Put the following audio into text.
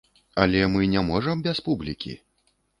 Але мы не можам без публікі!